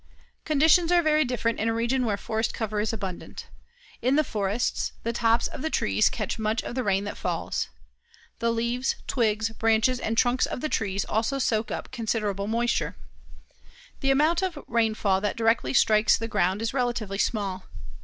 Conditions are very different in a region where forest cover is abundant. In the forests, the tops of the trees catch much of the rain that falls. The leaves, twigs, branches and trunks of the trees also soak up considerable moisture. The amount of rainfall that directly strikes the ground is relatively small.